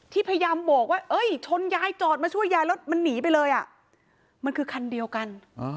พยายามบอกว่าเอ้ยชนยายจอดมาช่วยยายแล้วมันหนีไปเลยอ่ะมันคือคันเดียวกัน